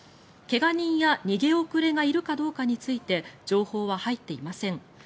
怪我人や逃げ遅れがいるかどうかについて情報は入っていません。